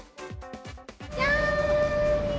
じゃーん！